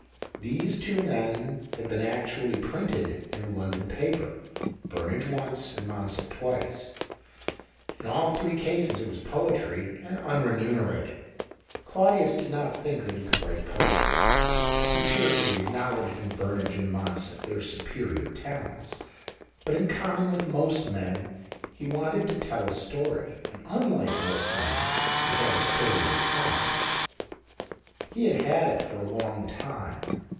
These two men had been actually printed in a London paper — Burnage once, and Monsett twice. In all three cases it was poetry, and unre munerated. Claudius did not think that he could write poetry ; he cheerfully acknow ledged in Burnage and Monsett their superior THE OCTAVE OF CLAUDIUS. 85 talents. But, in common with most men, lie wanted to tell a story — and, unlike most men, lie had a story to tell. He had had it for a long time.